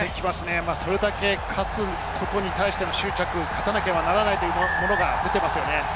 それだけ勝つことに対しての執着、勝たなければならないというものが出ていますよね。